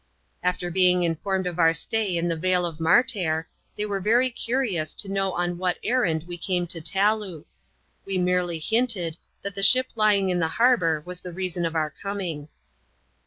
After being informed of our stay in the vale of Martair, they were very curious to know on what errand we came to Taloo. We merely hinted, that the ship lying in the harbour was the reason of our coming.